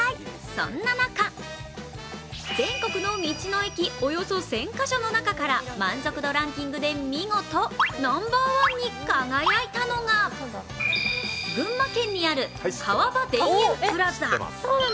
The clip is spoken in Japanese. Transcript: そんな中、全国の道の駅およそ１０００か所の中から満足度ランキングで見事ナンバーワンに輝いたのが群馬県にある川場田園プラザ。